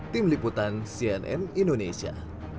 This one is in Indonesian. tim liputan cnn indonesia